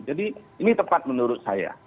jadi ini tepat menurut saya